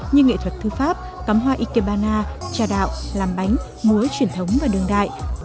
như nghệ thuật thư pháp cắm hoa ikebana trà đạo làm bánh muối truyền thống và đường đại